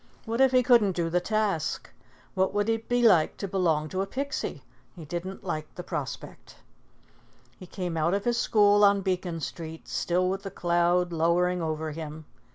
What if he couldn't do the task? What would it be like to belong to a Pixie? He didn't like the prospect. He came out of his school on Beacon Street, still with the cloud lowering over him.